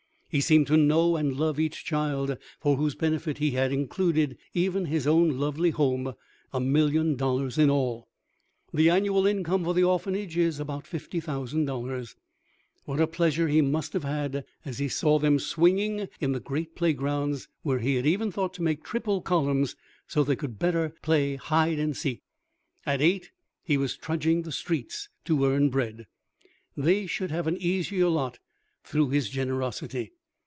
He seemed to know and love each child, for whose benefit he had included even his own lovely home, a million dollars in all. The annual income for the Orphanage is about fifty thousand dollars. What pleasure he must have had as he saw them swinging in the great playgrounds, where he had even thought to make triple columns so that they could the better play hide and seek! At eight, he was trudging the streets to earn bread; they should have an easier lot through his generosity.